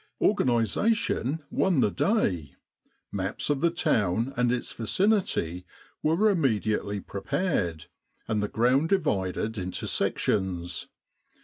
Organisation won the day. Maps of the town and its vicinity were immediately prepared, and the ground divided into sections.